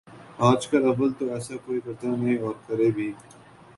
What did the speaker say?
آج کل اول تو ایسا کوئی کرتا نہیں اور کرے بھی